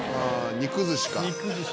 「肉寿司ね」